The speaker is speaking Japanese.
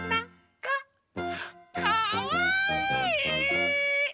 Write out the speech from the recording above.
かわいい！